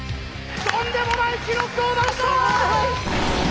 とんでもない記録を出した！